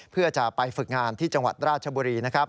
เพื่อจะไปฝึกงานที่จังหวัดราชบุรีนะครับ